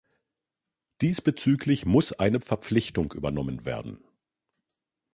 Diesbezüglich muss eine Verpflichtung übernommen werden.